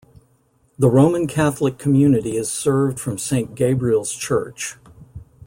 The Roman Catholic community is served from Saint Gabriel's Church.